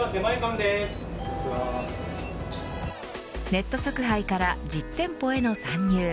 ネット即配から実店舗への参入。